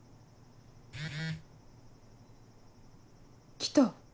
来た。